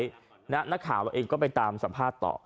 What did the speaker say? นักข่าวเราเองก็ไปตามสัมภาษณ์ต่อ